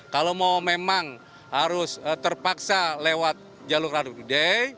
kalau mau memang harus terpaksa lewat jalur radu gede